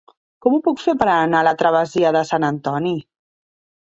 Com ho puc fer per anar a la travessia de Sant Antoni?